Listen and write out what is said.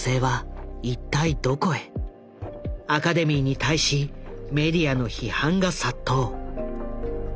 アカデミーに対しメディアの批判が殺到。